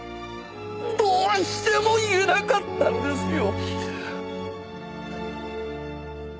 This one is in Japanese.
どうしても言えなかったんですよ。